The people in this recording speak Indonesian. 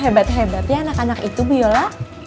hebat hebat ya anak anak itu biola